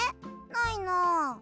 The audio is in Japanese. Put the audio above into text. ないな。